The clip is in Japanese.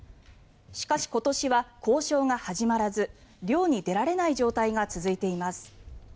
しかし、今年は交渉が始まらず漁に出られない状態が続いています。